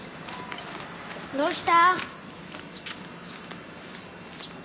どうした？